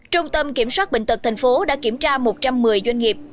trung tâm kiểm soát bệnh tật tp hcm đã kiểm tra một trăm một mươi doanh nghiệp